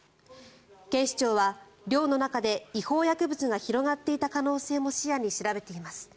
警視庁は寮の中で違法薬物が広がっていた可能性も視野に調べています。